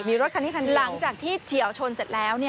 หลังจากที่เฉียวชนเสร็จแล้ว